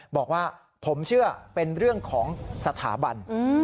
บอกว่าผมเชื่อเป็นเรื่องของสถาบัน